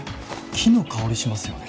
木の香りしますよね